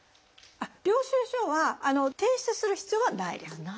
領収書は提出する必要はないです。